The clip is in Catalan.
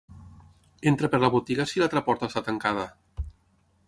Entra per la botiga si l'altra porta està tancada!